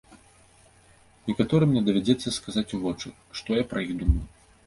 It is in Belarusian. Некаторым мне давядзецца сказаць у вочы, што я пра іх думаю.